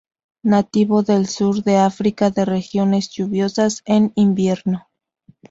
Nativo del sur de África de regiones lluviosas en invierno.